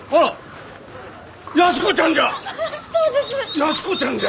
安子ちゃんじゃ！